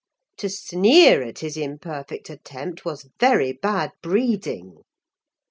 To sneer at his imperfect attempt was very bad breeding.